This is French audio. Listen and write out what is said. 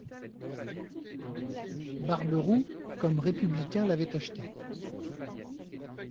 Barberou, comme républicain l'avait acheté.